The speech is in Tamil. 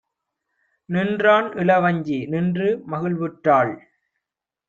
நின்றான். இளவஞ்சி நின்று மகிழ்வுற்றாள்.